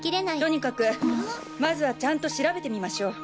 とにかくまずはちゃんと調べてみましょう！